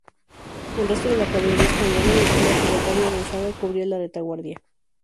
El resto de la caballería española, dirigida por Ottavio Gonzaga, cubría la retaguardia.